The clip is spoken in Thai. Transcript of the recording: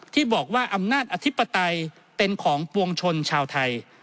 ที่บอกว่าอำนาจอธิปไตยเป็นของปวงชนชาวไทย